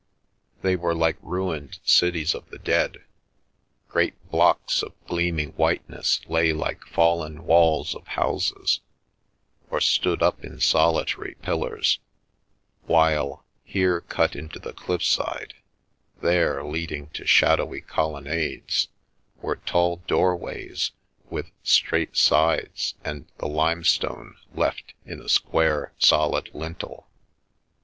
They were like ruined cities of the dead; great blocks of gleaming whiteness lay like fallen walls of houses, or stood up in solitary pillars; while, here cut into the cliff side, there leading to shad owy colonnades, were tall doorways with straight sides and the limestone left in a square, solid lintel.